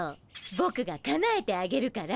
ぼくがかなえてあげるから。